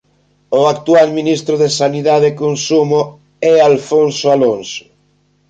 O actual ministro de Sanidade e consumo é Alfonso Alonso.